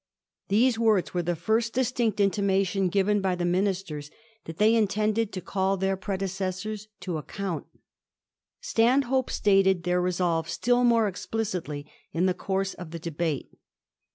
These words were the first •distinct intimation given by the Ministers that they intended to call their predecessors to account. Stan hope stated their resolve still more explicitly in the •course of the debate.